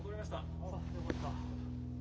あっよかった！